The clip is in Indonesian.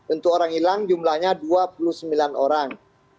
untuk orang hilang jumlahnya dua puluh sembilan orang